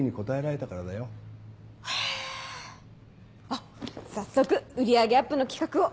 あっ早速売り上げアップの企画を。